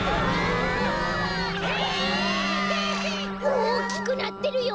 おおきくなってるよ！